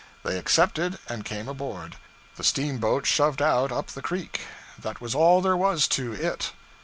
They accepted and came aboard, and the steamboat shoved out up the creek. That was all there was 'to it.'